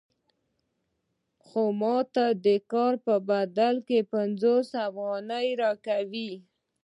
خو ماته د کار په بدل کې پنځوس افغانۍ راکوي